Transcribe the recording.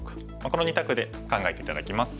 この２択で考えて頂きます。